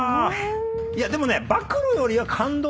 いやでもね。